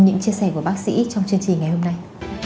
những chia sẻ của bác sĩ trong chương trình ngày hôm nay